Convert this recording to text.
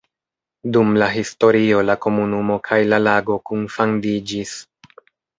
Dum la historio la komunumo kaj la lago kunfandiĝis.